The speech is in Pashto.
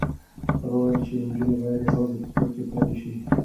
هغه وویل چې نجونې باید یوازې په کور کې پاتې شي.